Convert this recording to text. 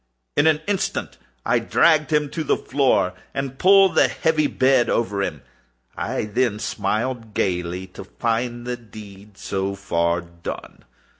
In an instant I dragged him to the floor, and pulled the heavy bed over him. I then smiled gaily, to find the deed so far done.